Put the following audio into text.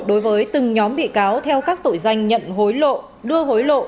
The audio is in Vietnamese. đối với từng nhóm bị cáo theo các tội danh nhận hối lộ đưa hối lộ